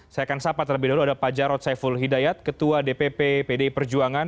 saya akan sapa terlebih dahulu ada pak jarod saiful hidayat ketua dpp pdi perjuangan